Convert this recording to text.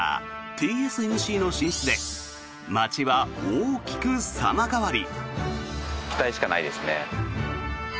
ＴＳＭＣの進出で町は大きく様変わり。